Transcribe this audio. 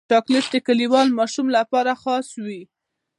چاکلېټ د کلیوال ماشوم لپاره خاص وي.